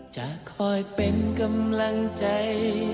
จะคอยเป็นกำลังใจ